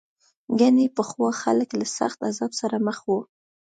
ګنې پخوا خلک له سخت عذاب سره مخ وو.